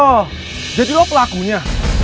oh jadi lo pelakunya